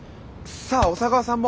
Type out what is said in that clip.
さあ小佐川さんも。